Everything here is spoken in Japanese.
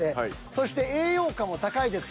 そして栄養価も高いです。